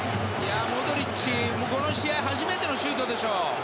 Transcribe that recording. モドリッチ、この試合初めてのシュートでしょ。